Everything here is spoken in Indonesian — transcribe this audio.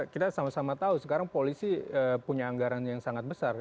kita sama sama tahu sekarang polisi punya anggaran yang sangat besar